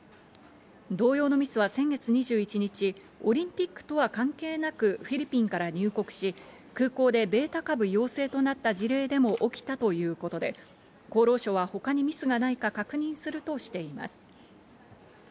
同様のミスは先月２１日、オリンピックとは関係なくフィリピンから入国し、空港でベータ株陽性となった事例でも起きたということで、厚労省は他にミスがないか確認するとしています。